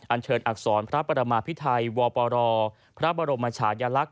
เชิญอักษรพระประมาพิไทยวปรพระบรมชายลักษ